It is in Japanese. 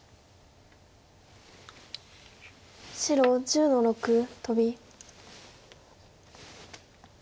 白１０の六トビ。